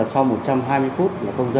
sau một trăm hai mươi phút